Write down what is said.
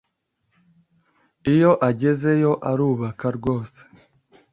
iyo agezeyo arubaka rwose